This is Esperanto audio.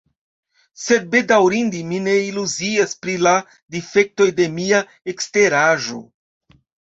Sed bedaŭrinde mi ne iluzias pri la difektoj de mia eksteraĵo.